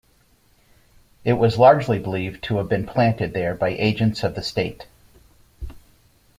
It was largely believed to have been planted there by agents of the state.